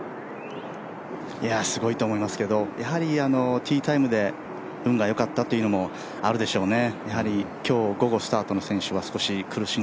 すごいと思いますけど、やはりティータイムで運がよかったというのもあるでしょうね。